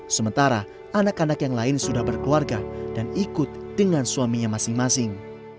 sementara anak anak yang lain sudah berkeluarga dan ikut dengan suaminya masing masing